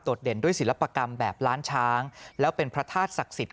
เด่นด้วยศิลปกรรมแบบล้านช้างแล้วเป็นพระธาตุศักดิ์สิทธิ